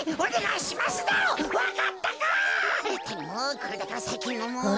これだからさいきんのもんは。